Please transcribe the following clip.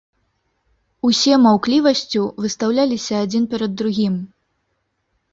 Усе маўклівасцю выстаўляліся адзін перад другім.